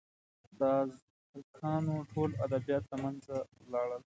د ازتکانو ټول ادبیات له منځه ولاړل.